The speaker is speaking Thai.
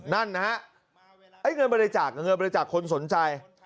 นั้นนะครับเงินบริจาคมีเงินบริจาคคนสนใจ